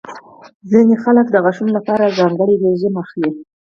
ځینې خلک د غاښونو لپاره ځانګړې رژیم لري.